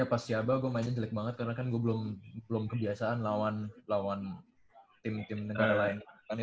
cuman pas siaba gua mainnya jelek banget karena kan gua belum kebiasaan lawan tim negara lain